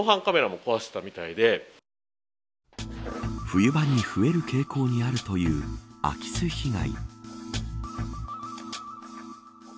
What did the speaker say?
冬場に増える傾向にあるという空き巣被害。